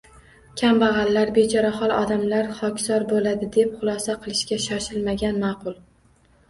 Kambag‘allar, bechorahol odamlar xokisor bo‘ladi, deb xulosa qilishga shoshilmagan ma’qul.